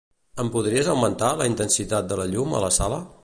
Em podries augmentar la intensitat de la llum a la sala?